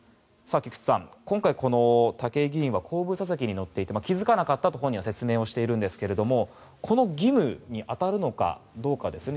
菊地さん、今回武井議員は後部座席に乗っていて気付かなかったと本人は説明しているんですがこの義務に当たるのかどうかですね。